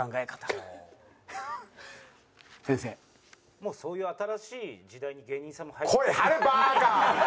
もうそういう新しい時代に芸人さんも。